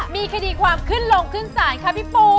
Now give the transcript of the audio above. มีคดีความขึ้นหลงขึ้นทรายนะคะพี่ปู